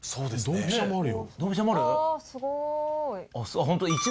ドンピシャもある？